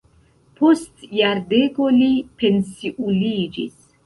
Post jardeko li pensiuliĝis.